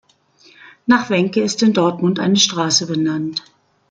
Nach Wenke ist in Dortmund eine Straße benannt.